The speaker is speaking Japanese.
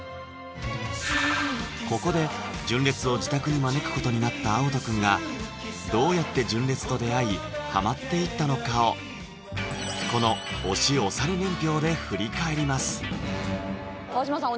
ここで「純烈」を自宅に招くことになったあおと君がどうやって「純烈」と出会いハマっていったのかをこの推し推され年表で振り返ります川島さん